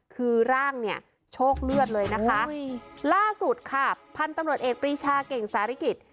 คือร่างเนี่ยโชคเลือดเลยนะคะล่าสุดค่ะพันธุ์ตำรวจเอกปรีชาเก่งสาริกิจ